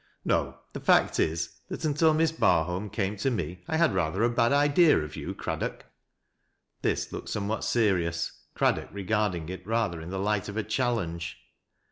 " No, the fact is that until Miss Barholm came to me 1 liad rather a bad idea of you, Craddock." This looked somewhat serious, Craddock regarding it rather in the light of a challenge.